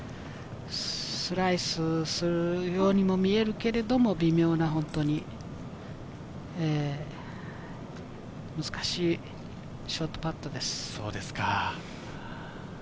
スライスするようにも見えるけれど、微妙な、難しいショートパットです。